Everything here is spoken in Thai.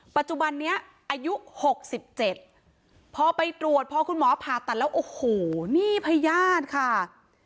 ปัจจุบันนี้อายุ๖๗พอไปตรวจพอคุณหมอผ่าตัดแล้วโอ้โหนี่พญาติค่ะ